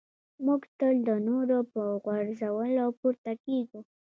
موږ تل د نورو په غورځولو پورته کېږو.